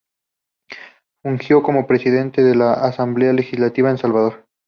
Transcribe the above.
Fungió como Presidente de la Asamblea Legislativa de El Salvador.